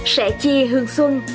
sẽ chia hương xuân